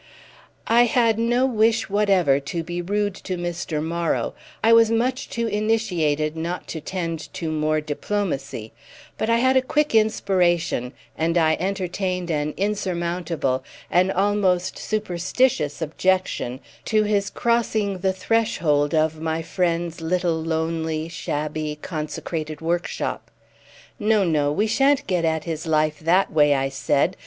I had no wish whatever to be rude to Mr. Morrow, I was much too initiated not to tend to more diplomacy; but I had a quick inspiration, and I entertained an insurmountable, an almost superstitious objection to his crossing the threshold of my friend's little lonely shabby consecrated workshop. "No, no—we shan't get at his life that way," I said.